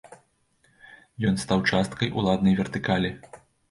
Ён стаў часткай уладнай вертыкалі.